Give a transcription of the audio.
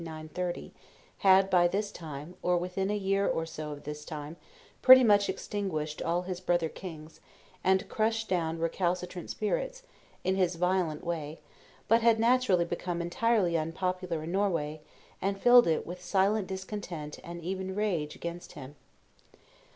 930, had by this time, or within a year or so of this time, pretty much extinguished all his brother kings, and crushed down recalcitrant spirits, in his violent way; but had naturally become entirely unpopular in Norway, and filled it with silent discontent and even rage against him.